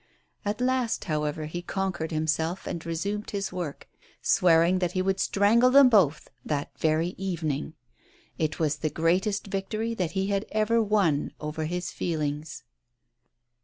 At last, however, he conquered himself, and re sumed his work, swearing that he would strangle them both that very evening. It was the greatest victory that he had ever won over his feelings.